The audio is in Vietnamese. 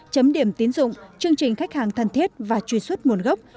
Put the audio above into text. chấm điểm tín dụng chương trình khách hàng thân thiết và truy xuất nguồn gốc